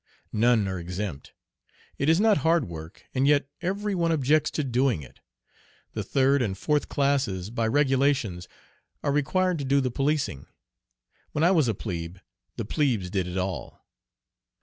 None are exempt. It is not hard work, and yet every one objects to doing it. The third and fourth classes, by regulations, are required to do the policing. When I was a plebe, the plebes did it all.